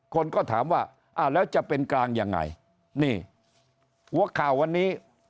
คนก็ถามว่าอ้าวแล้วจะเป็นกลางยังไงนี่หัวข่าววันนี้